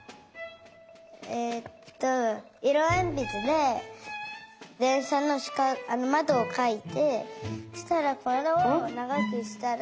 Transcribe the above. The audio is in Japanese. えっといろえんぴつででんしゃのまどをかいてしたらこれをながくしたら。